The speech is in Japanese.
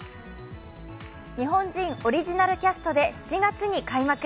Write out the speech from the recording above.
日本人オリジナルキャストで７月に開幕。